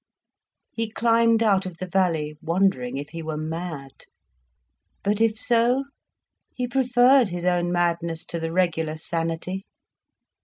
He climbed out of the valley, wondering if he were mad. But if so, he preferred his own madness, to the regular sanity.